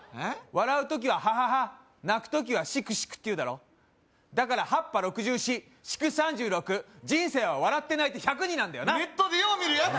笑う時はハハハ泣く時はシクシクっていうだろだから８×８＝６４４×９＝３６人生は笑って泣いて１００になんだよなネットでよう見るヤツ